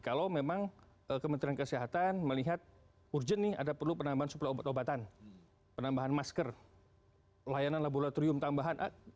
kalau memang kementerian kesehatan melihat urgent nih ada perlu penambahan suplai obat obatan penambahan masker layanan laboratorium tambahan